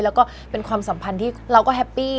แล้วก็เป็นความสัมพันธ์ที่เราก็แฮปปี้